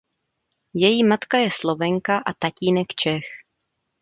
Její matka je Slovenka a tatínek Čech.